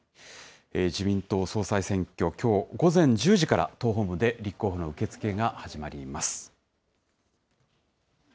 自民党総裁選挙、きょう午前１０時から党本部で立候補の受け付けが始まります。